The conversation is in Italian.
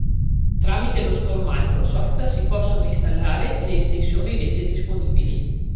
Tramite lo store Microsoft si possono installare le estensioni rese disponibili.